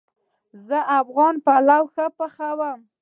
زه افغان پلو ښه پخوم